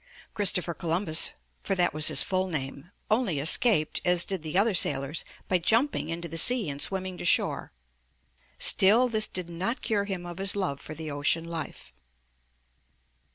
Christopher Columbus, for that was his full name, only escaped, as did the other sailors, by jumping into the sea and swimming to shore. Still this did not cure him of his love for the ocean life.